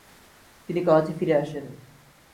তিনি করাচি ফিরে আসেন।